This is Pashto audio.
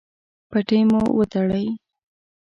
پټۍ مو تړلی؟